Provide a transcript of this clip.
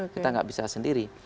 kita nggak bisa sendiri